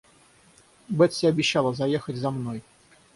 Бетси обещала заехать за мной.